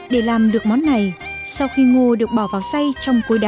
để làm được món này sau khi ngô được bỏ vào xay trong côi đá